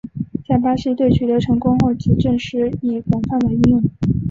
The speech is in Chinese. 在巴西队取得成功后此阵式亦广泛地应用。